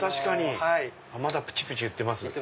まだプチプチいってます。